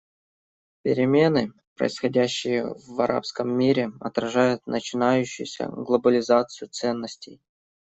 Перемены, происходящие в арабском мире, отражают начинающуюся глобализацию ценностей.